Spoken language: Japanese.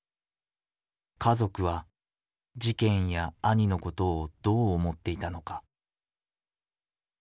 家族は事件や兄のことをどう思っていたのか。